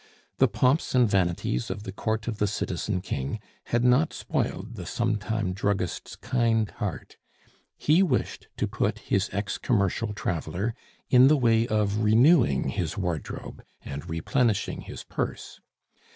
The pomps and vanities of the Court of the Citizen King had not spoiled the sometime druggist's kind heart; he wished to put his ex commercial traveler in the way of renewing his wardrobe and replenishing his purse.